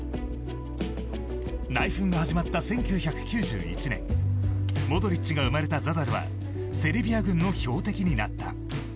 内紛が始まった１９９１年モドリッチが生まれたザダルはセルビア軍の標的になった。